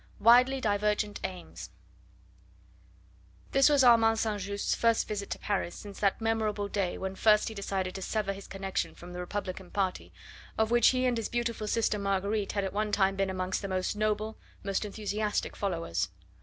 WIDELY DIVERGENT AIMS This was Armand S. Just's first visit to Paris since that memorable day when first he decided to sever his connection from the Republican party, of which he and his beautiful sister Marguerite had at one time been amongst the most noble, most enthusiastic followers.